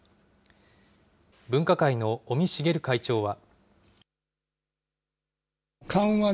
分科会の尾身茂会長は。